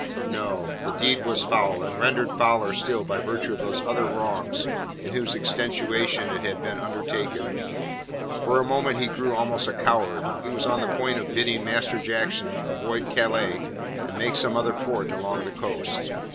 No. The deed was foul, and rendered fouler still by virtue of those other wrongs in whose extenuation it had been undertaken. For a moment he grew almost a coward. He was on the point of bidding Master Jackson avoid Calais and make some other port along the coast.